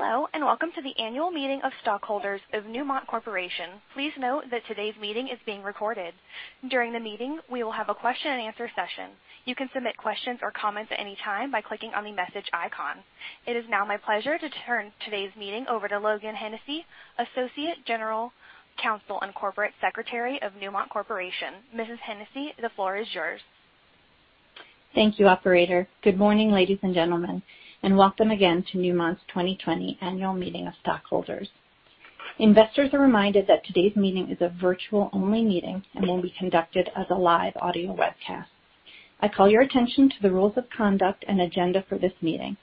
Hello, and welcome to the Annual Meeting of Stockholders of Newmont Corporation. Please note that today's meeting is being recorded. During the meeting, we will have a question-and-answer session. You can submit questions or comments at any time by clicking on the message icon. It is now my pleasure to turn today's meeting over to Logan Hennessey, Associate General Counsel and Corporate Secretary of Newmont Corporation. Mrs. Hennessey, the floor is yours. Thank you, operator. Good morning, ladies and gentlemen, welcome again to Newmont's 2020 annual meeting of stockholders. Investors are reminded that today's meeting is a virtual-only meeting and will be conducted as a live audio webcast. I call your attention to the rules of conduct and agenda for this meeting.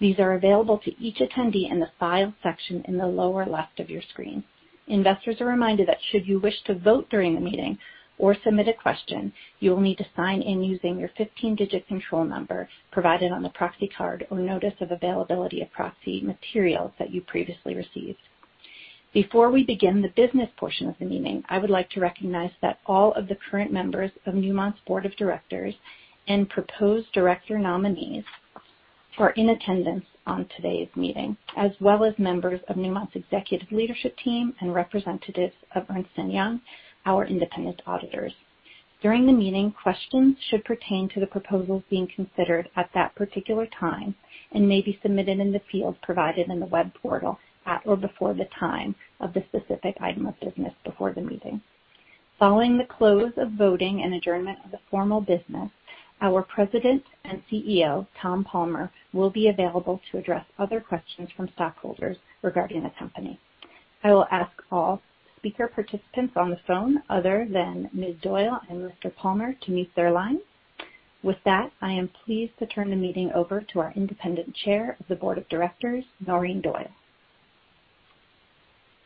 These are available to each attendee in the Files section in the lower left of your screen. Investors are reminded that should you wish to vote during the meeting or submit a question, you will need to sign in using your 15-digit control number provided on the proxy card or notice of availability of proxy materials that you previously received. Before we begin the business portion of the meeting, I would like to recognize that all of the current members of Newmont's Board of Directors and proposed director nominees are in attendance at today's meeting, as well as members of Newmont's executive leadership team and representatives of Ernst & Young, our independent auditors. During the meeting, questions should pertain to the proposals being considered at that particular time and may be submitted in the field provided in the web portal at or before the time of the specific item of business before the meeting. Following the close of voting and adjournment of the formal business, our President and CEO, Tom Palmer, will be available to address other questions from stockholders regarding the company. I will ask all speaker participants on the phone other than Ms. Doyle and Mr. Palmer to mute their lines. With that, I am pleased to turn the meeting over to our independent Chair of the Board of Directors, Noreen Doyle.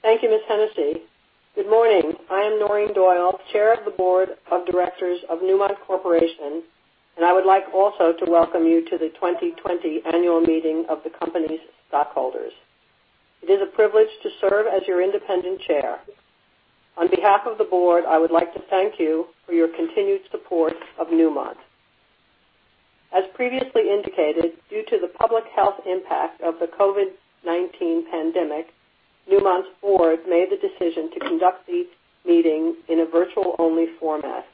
Thank you, Ms. Hennessey. Good morning. I am Noreen Doyle, Chair of the Board of Directors of Newmont Corporation, and I would like also to welcome you to the 2020 annual meeting of the company's stockholders. It is a privilege to serve as your independent chair. On behalf of the board, I would like to thank you for your continued support of Newmont. As previously indicated, due to the public health impact of the COVID-19 pandemic, Newmont's board made the decision to conduct the meeting in a virtual-only format.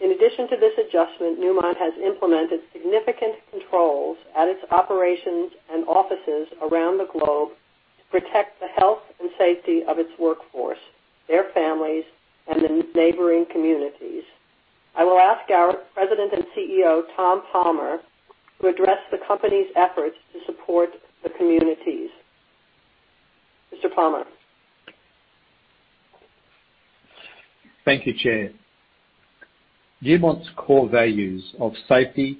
In addition to this adjustment, Newmont has implemented significant controls at its operations and offices around the globe to protect the health and safety of its workforce, their families, and the neighboring communities. I will ask our President and CEO, Tom Palmer, to address the company's efforts to support the communities. Mr. Palmer. Thank you, Chair. Newmont's core values of safety,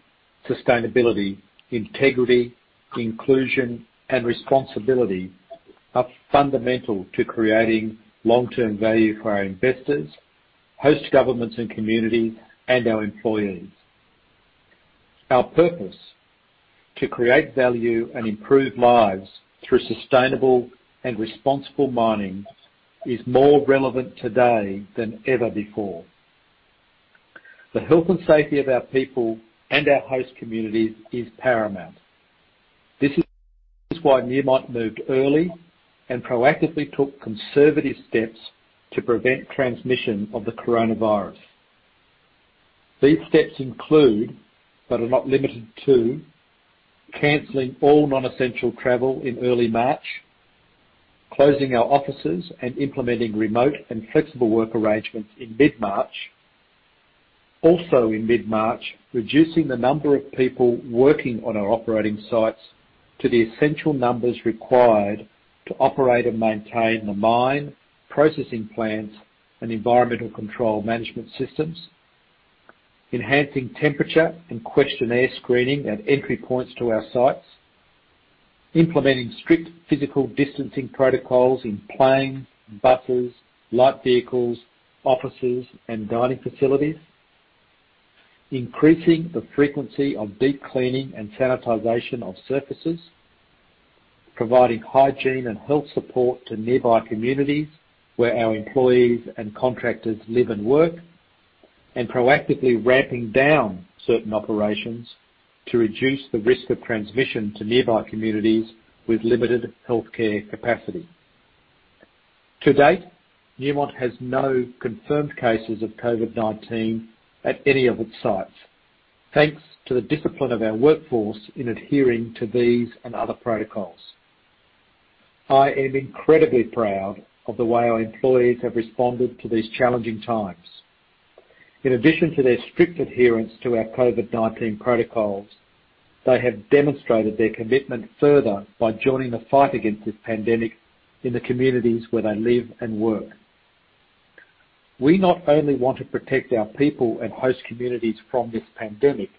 sustainability, integrity, inclusion, and responsibility are fundamental to creating long-term value for our investors, host governments and communities, and our employees. Our purpose, to create value and improve lives through sustainable and responsible mining, is more relevant today than ever before. The health and safety of our people and our host communities is paramount. This is why Newmont moved early and proactively took conservative steps to prevent transmission of the coronavirus. These steps include, but are not limited to, canceling all non-essential travel in early March, closing our offices, and implementing remote and flexible work arrangements in mid-March. Also in mid-March, reducing the number of people working on our operating sites to the essential numbers required to operate and maintain the mine, processing plants, and environmental control management systems, enhancing temperature and questionnaire screening at entry points to our sites, implementing strict physical distancing protocols in planes, buses, light vehicles, offices, and dining facilities, increasing the frequency of deep cleaning and sanitization of surfaces, providing hygiene and health support to nearby communities where our employees and contractors live and work, and proactively ramping down certain operations to reduce the risk of transmission to nearby communities with limited healthcare capacity. To date, Newmont has no confirmed cases of COVID-19 at any of its sites, thanks to the discipline of our workforce in adhering to these and other protocols. I am incredibly proud of the way our employees have responded to these challenging times. In addition to their strict adherence to our COVID-19 protocols, they have demonstrated their commitment further by joining the fight against this pandemic in the communities where they live and work. We not only want to protect our people and host communities from this pandemic,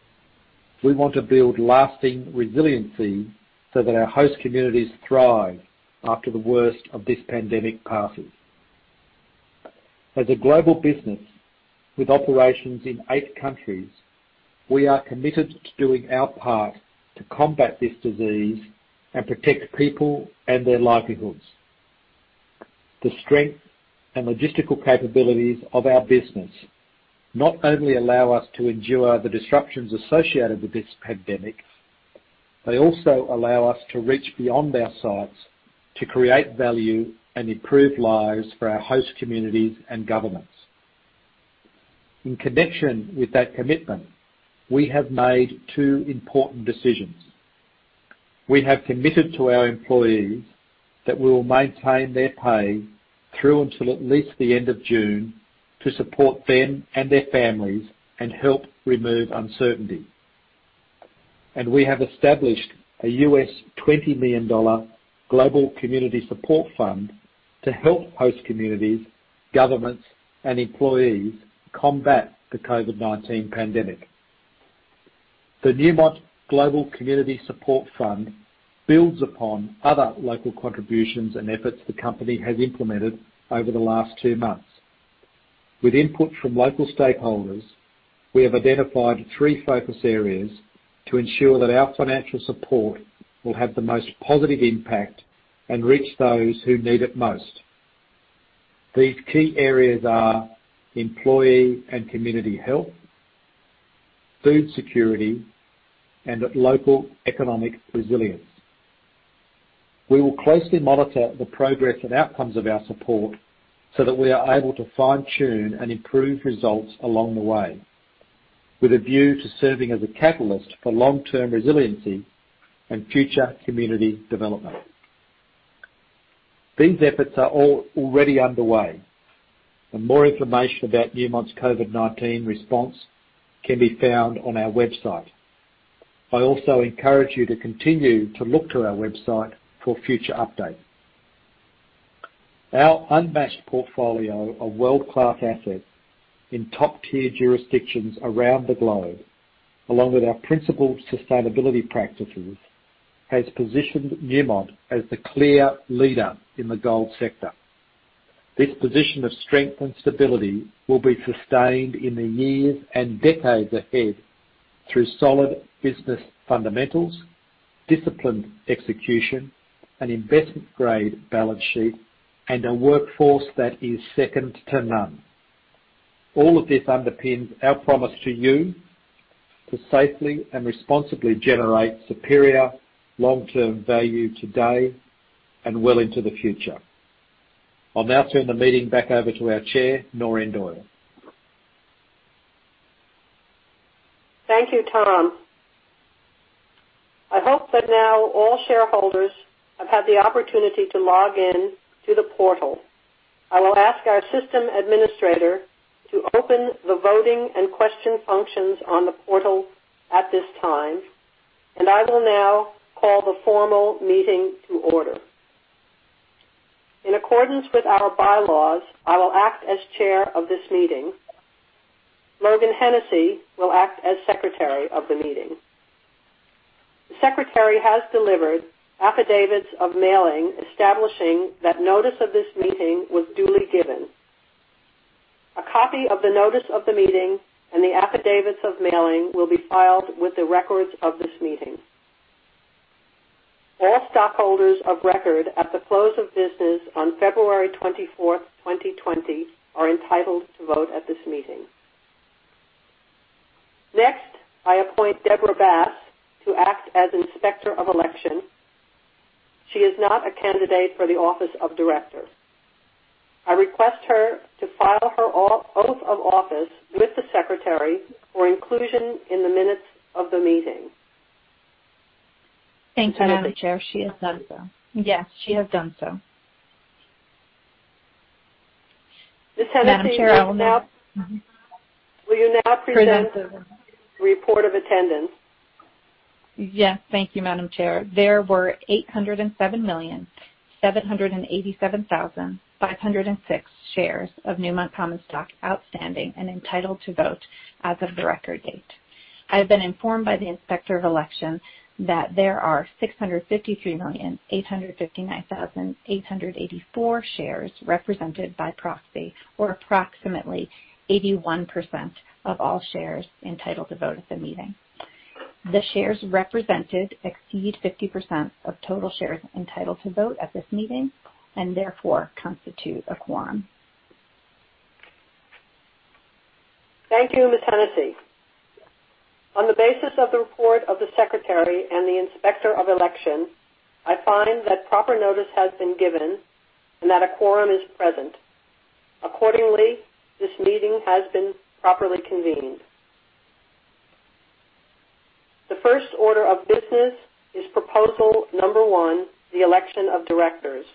we want to build lasting resiliency so that our host communities thrive after the worst of this pandemic passes. As a global business with operations in eight countries, we are committed to doing our part to combat this disease and protect people and their livelihoods. The strength and logistical capabilities of our business not only allow us to endure the disruptions associated with this pandemic, but they also allow us to reach beyond our sites to create value and improve lives for our host communities and governments. In connection with that commitment, we have made two important decisions. We have committed to our employees that we will maintain their pay through until at least the end of June to support them and their families and help remove uncertainty. We have established a $20 million Newmont Global Community Support Fund to help host communities, governments, and employees combat the COVID-19 pandemic. The Newmont Global Community Support Fund builds upon other local contributions and efforts the company has implemented over the last two months. With input from local stakeholders, we have identified three focus areas to ensure that our financial support will have the most positive impact and reach those who need it most. These key areas are employee and community health, food security, and local economic resilience. We will closely monitor the progress and outcomes of our support so that we are able to fine-tune and improve results along the way with a view to serving as a catalyst for long-term resiliency and future community development. These efforts are already underway, and more information about Newmont's COVID-19 response can be found on our website. I also encourage you to continue to look to our website for future updates. Our unmatched portfolio of world-class assets in top-tier jurisdictions around the globe, along with our principal sustainability practices, has positioned Newmont as the clear leader in the gold sector. This position of strength and stability will be sustained in the years and decades ahead through solid business fundamentals, disciplined execution, an investment-grade balance sheet, and a workforce that is second to none. All of this underpins our promise to you to safely and responsibly generate superior long-term value today and well into the future. I'll now turn the meeting back over to our chair, Noreen Doyle. Thank you, Tom. I hope that now all shareholders have had the opportunity to log in to the portal. I will ask our system administrator to open the voting and question functions on the portal at this time, and I will now call the formal meeting to order. In accordance with our bylaws, I will act as chair of this meeting. Logan Hennessey will act as secretary of the meeting. The secretary has delivered affidavits of mailing establishing that notice of this meeting was duly given. A copy of the notice of the meeting and the affidavits of mailing will be filed with the records of this meeting. All stockholders of record at the close of business on February 24th, 2020, are entitled to vote at this meeting. Next, I appoint Deborah Bass to act as Inspector of Election. She is not a candidate for the office of Director. I request her to file her oath of office with the secretary for inclusion in the minutes of the meeting. Thank you, Madam Chair. She has done so. Yes, she has done so. Miss Hennessey Madam Chair, I will. Will you now present the report of attendance? Yes. Thank you, Madam Chair. There were 807,787,506 shares of Newmont common stock outstanding and entitled to vote as of the record date. I have been informed by the Inspector of Election that there are 653,859,884 shares represented by proxy, or approximately 81% of all shares entitled to vote at the meeting. The shares represented exceed 50% of total shares entitled to vote at this meeting and, therefore, constitute a quorum. Thank you, Ms. Hennessey. On the basis of the report of the Secretary and the Inspector of Election, I find that proper notice has been given and that a quorum is present. Accordingly, this meeting has been properly convened. The first order of business is proposal number one, the election of directors.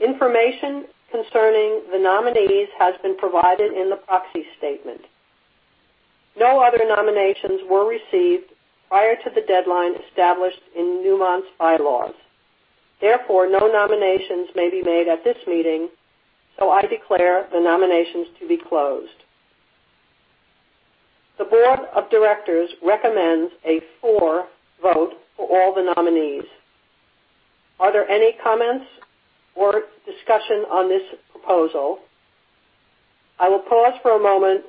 Information concerning the nominees has been provided in the proxy statement. No other nominations were received prior to the deadline established in Newmont's bylaws. Therefore, no nominations may be made at this meeting, so I declare the nominations to be closed. The Board of Directors recommends a for vote for all the nominees. Are there any comments or discussions on this proposal? I will pause for a moment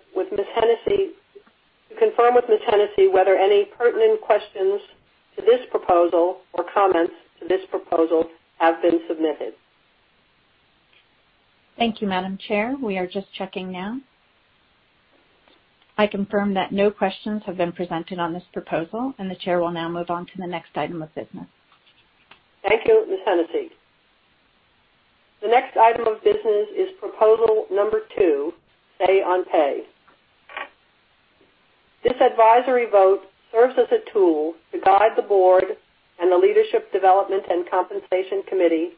to confirm with Ms. Hennessey whether any pertinent questions to this proposal or comments to this proposal have been submitted. Thank you, Madam Chair. We are just checking now. I confirm that no questions have been presented on this proposal. The chair will now move on to the next item of business. Thank you, Ms. Hennessey. The next item of business is proposal number two, Say-on-Pay. This advisory vote serves as a tool to guide the board and the Leadership Development and Compensation Committee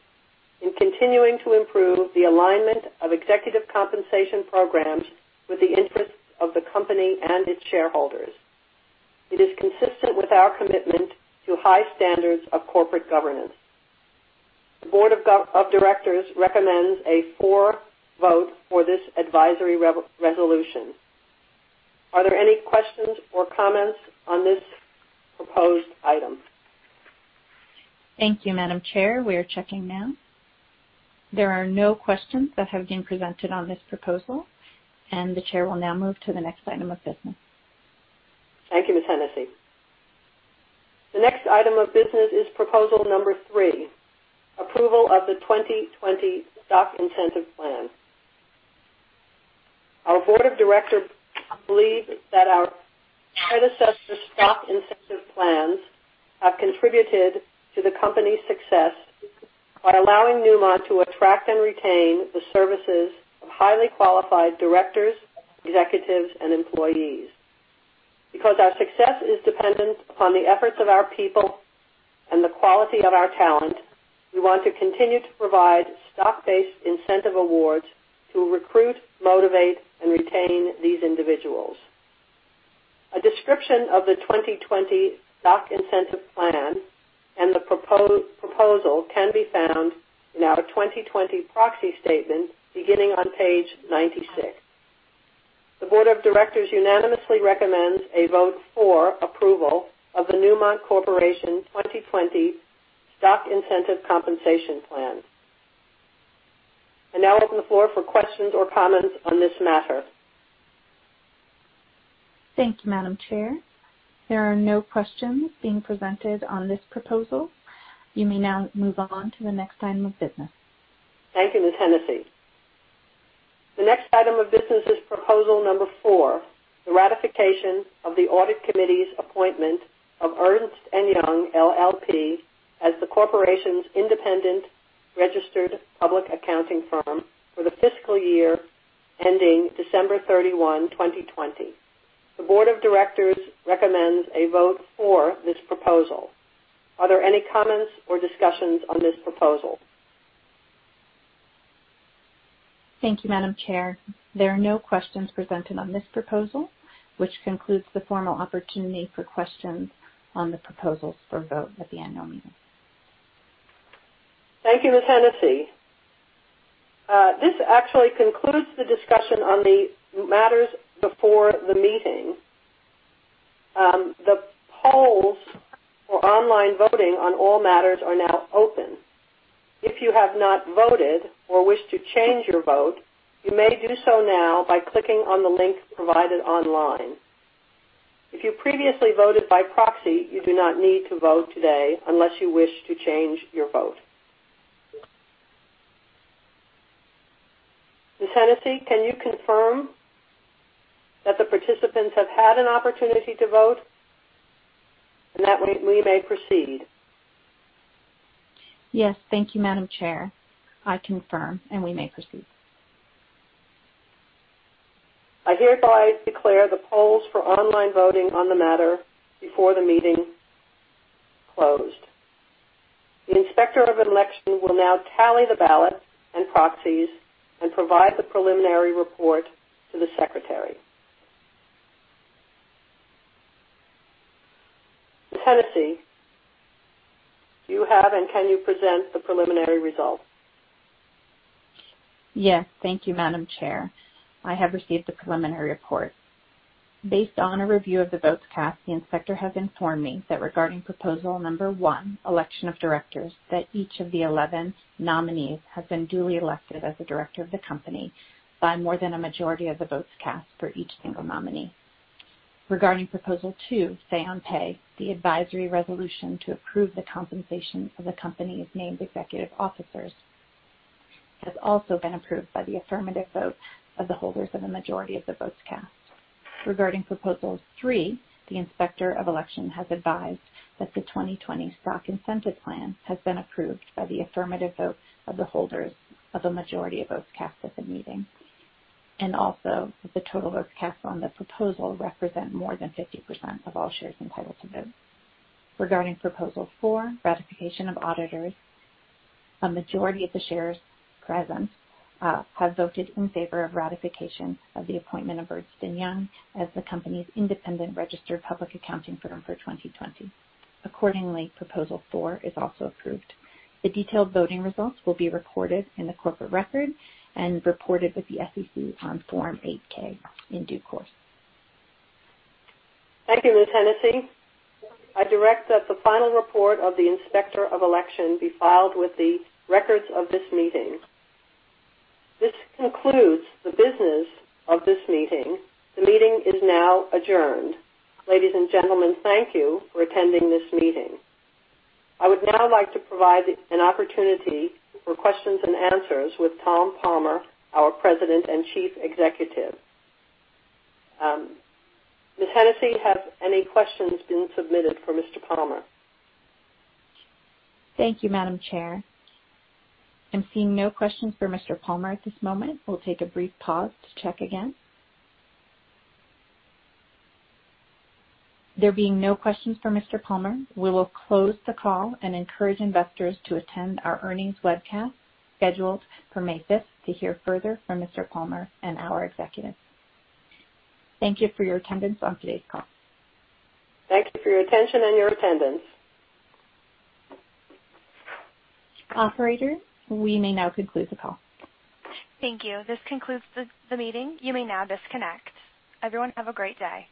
in continuing to improve the alignment of executive compensation programs with the interests of the company and its shareholders. It is consistent with our commitment to high standards of corporate governance. The board of directors recommends a for vote for this advisory resolution. Are there any questions or comments on this proposed item? Thank you, Madam Chair. We are checking now. There are no questions that have been presented on this proposal, the Chair will now move to the next item of business. Thank you, Ms. Hennessey. The next item of business is proposal number three, approval of the 2020 stock incentive plan. Our board of directors believes that our predecessor stock incentive plans have contributed to the company's success by allowing Newmont to attract and retain the services of highly qualified directors, executives, and employees. Because our success is dependent upon the efforts of our people and the quality of our talent, we want to continue to provide stock-based incentive awards to recruit, motivate, and retain these individuals. A description of the 2020 stock incentive plan and the proposal can be found in our 2020 proxy statement beginning on page 96. The board of directors unanimously recommends a vote for approval of the Newmont Corporation 2020 Stock Incentive Compensation Plan. I now open the floor for questions or comments on this matter. Thank you, Madam Chair. There are no questions being presented on this proposal. You may now move on to the next item of business. Thank you, Ms. Hennessey. The next item of business is proposal number four, the ratification of the audit committee's appointment of Ernst & Young LLP as the corporation's independent registered public accounting firm for the fiscal year ending December 31, 2020. The board of directors recommends a vote for this proposal. Are there any comments or discussions on this proposal? Thank you, Madam Chair. There are no questions presented on this proposal, which concludes the formal opportunity for questions on the proposals for vote at the annual meeting. Thank you, Ms. Hennessey. This actually concludes the discussion on the matters before the meeting. The polls for online voting on all matters are now open. If you have not voted or wish to change your vote, you may do so now by clicking on the link provided online. If you previously voted by proxy, you do not need to vote today unless you wish to change your vote. Ms. Hennessey, can you confirm that the participants have had an opportunity to vote and that we may proceed? Yes. Thank you, Madam Chair. I confirm, and we may proceed. I hereby declare the polls for online voting on the matter before the meeting closed. The Inspector of Election will now tally the ballot and proxies and provide the preliminary report to the Secretary. Ms. Hennessey, do you have and can you present the preliminary results? Yes. Thank you, Madam Chair. I have received the preliminary report. Based on a review of the votes cast, the inspector has informed me that regarding proposal number one, election of directors, each of the 11 nominees has been duly elected as a director of the company by more than a majority of the votes cast for each single nominee. Regarding proposal number two, Say-on-Pay, the advisory resolution to approve the compensation of the company's named executive officers has also been approved by the affirmative vote of the holders of a majority of the votes cast. Regarding proposal number three, the Inspector of Election has advised that the 2020 Stock Incentive Plan has been approved by the affirmative vote of the holders of a majority of votes cast at the meeting. Also, the total votes cast on the proposal represent more than 50% of all shares entitled to vote. Regarding proposal four, ratification of auditors, a majority of the shares present have voted in favor of ratification of the appointment of Ernst & Young as the company's independent registered public accounting firm for 2020. Accordingly, proposal four is also approved. The detailed voting results will be recorded in the corporate record and reported with the SEC on Form 8-K in due course. Thank you, Ms. Hennessey. I direct that the final report of the Inspector of Election be filed with the records of this meeting. This concludes the business of this meeting. The meeting is now adjourned. Ladies and gentlemen, thank you for attending this meeting. I would now like to provide an opportunity for questions and answers with Tom Palmer, our President and Chief Executive. Ms. Hennessey, have any questions been submitted for Mr. Palmer? Thank you, Madam Chair. I'm seeing no questions for Mr. Palmer at this moment. We'll take a brief pause to check again. There being no questions for Mr. Palmer, we will close the call and encourage investors to attend our earnings webcast scheduled for May 5th to hear further from Mr. Palmer and our executives. Thank you for your attendance on today's call. Thank you for your attention and your attendance. Operator, we may now conclude the call. Thank you. This concludes the meeting. You may now disconnect. Everyone has a great day.